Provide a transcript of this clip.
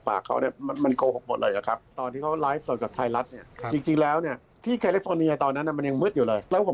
ปล่อยภาพลับของแตงโมที่ไม่เหมาะสมบัติมาก